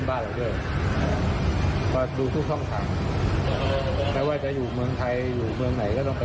แบบนี้ก็น่าจะยังอยู่ในประเทศไทยไหมครับ